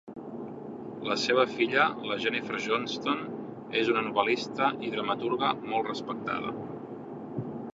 La seva filla, la Jennifer Johnston, és una novel·lista i dramaturga molt respectada.